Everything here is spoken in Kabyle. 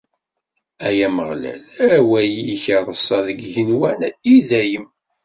Ay Ameɣlal, awal-ik ireṣṣa deg yigenwan, i dayem!